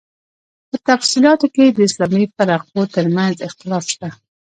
په تفصیلاتو کې یې د اسلامي فرقو تر منځ اختلاف شته.